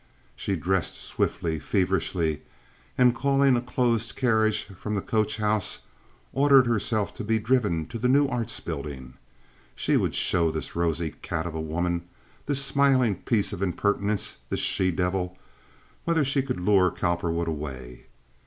She dressed swiftly, feverishly, and, calling a closed carriage from the coach house, ordered herself to be driven to the New Arts Building. She would show this rosy cat of a woman, this smiling piece of impertinence, this she devil, whether she would lure Cowperwood away.